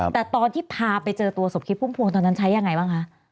แต่ตอนที่พาไปเจอตัวสมคิดพุ่มพวงตอนนั้นใช้ยังไงบ้างคะ